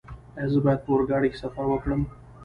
ایا زه باید په اورګاډي کې سفر وکړم؟